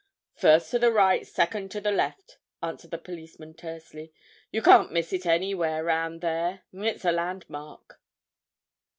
"First to the right, second to the left," answered the policeman tersely. "You can't miss it anywhere round there—it's a landmark."